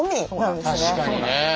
確かにね。